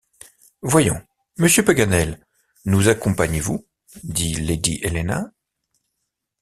Voyons, monsieur Paganel, nous accompagnez-vous? dit lady Helena